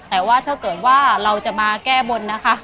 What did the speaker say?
แต่ว่าถ้าเกิดว่าเราจะมาแก้บนนะคะ